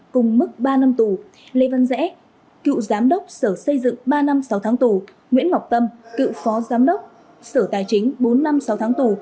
cùng mức ba năm tù lê văn rẽ cựu giám đốc sở xây dựng ba năm sáu tháng tù nguyễn ngọc tâm cựu phó giám đốc sở tài chính bốn năm sáu tháng tù